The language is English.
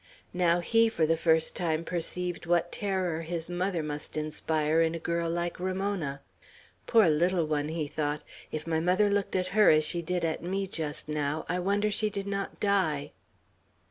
Now he for the first time perceived what terror his mother must inspire in a girl like Ramona. "Poor little one!" he thought. "If my mother looked at her as she did at me just now, I wonder she did not die."